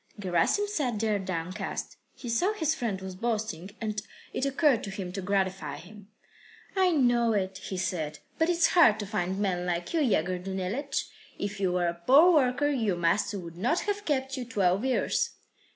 Gerasim sat there downcast. He saw his friend was boasting, and it occurred to him to gratify him. "I know it," he said. "But it's hard to find men like you, Yegor Danilych. If you were a poor worker, your master would not have kept you twelve years."